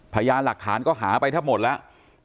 พยานหลักฐานก็หาไปแทบหมดแล้ว